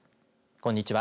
こんにちは。